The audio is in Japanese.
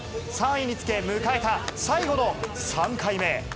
３位につけ、迎えた最後の３回目。